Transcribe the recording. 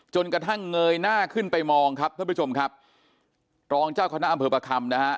จนกระทั่งเงยหน้าขึ้นไปมองครับท่านผู้ชมครับรองเจ้าคณะอำเภอประคำนะฮะ